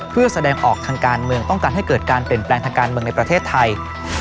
เพื่อแสดงออกทางการเมืองต้องการให้เกิดการเปลี่ยนแปลงทางการเมืองในประเทศไทย